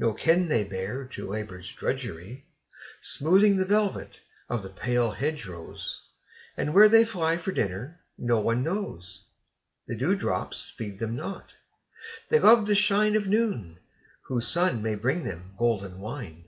No kin they bear to labour's drudgery, Smoothing the velvet of the pale hedge rose; And where they fly for dinner no one knows The dew drops feed them not they love the shine Of noon, whose sun may bring them golden wine.